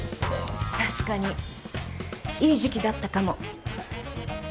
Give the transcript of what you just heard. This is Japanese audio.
確かにいい時期だったかも。